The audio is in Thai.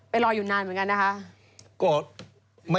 รออยู่นานเหมือนกันนะคะ